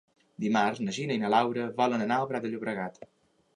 Dimarts na Gina i na Laura volen anar al Prat de Llobregat.